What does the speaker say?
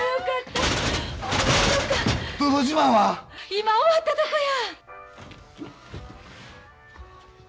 今終わったとこや！